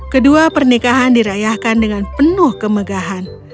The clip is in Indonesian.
kedua pernikahan dirayahkan dengan penuh kemegahan